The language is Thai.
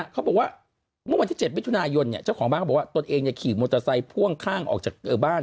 เขาบอกว่าเมื่อวันที่๗มิถุนายนเจ้าของบ้านเขาบอกว่าตนเองขี่มอเตอร์ไซค์พ่วงข้างออกจากบ้าน